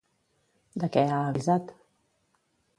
De què ha avisat?